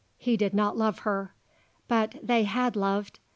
He did not love her. But they had loved.